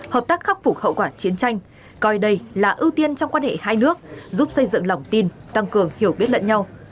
hợp tác khắc phục hậu quả chiến tranh coi đây là ưu tiên trong quan hệ hai nước giúp xây dựng lòng tin tăng cường hiểu biết lẫn nhau